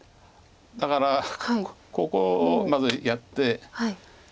だからここをまずやって。